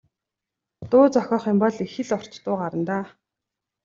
Дуу зохиох юм бол их л урт дуу гарна даа.